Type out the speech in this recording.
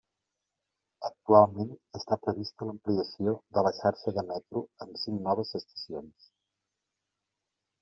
Actualment està prevista l'ampliació de la xarxa de metro amb cinc noves estacions.